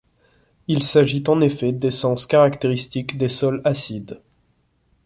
Il s'agit en effet d'essences caractéristiques des sols acides.